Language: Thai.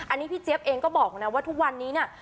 อันนี้พี่เจี๊ยบเองก็บอกนะว่าทุกวันนี้เนี่ย